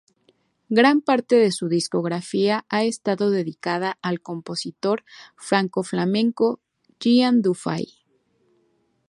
Gran parte de su discografía ha estado dedicada al compositor franco-flamenco Guillaume Dufay.